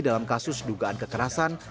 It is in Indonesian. dalam kasus dugaan kekerasan